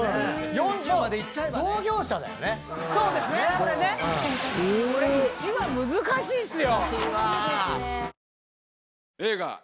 これ１は難しいっすよ。